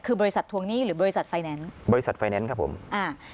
คือบริษัททวงหนี้หรือบริษัทไฟแนนซ์บริษัทไฟแนนซ์ครับผมอ่า